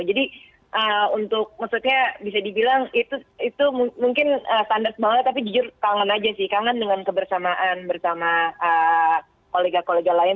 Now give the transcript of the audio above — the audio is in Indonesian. jadi untuk maksudnya bisa dibilang itu mungkin standar banget tapi jujur kangen aja sih kangen dengan kebersamaan bersama kolega kolega lain